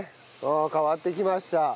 変わってきました。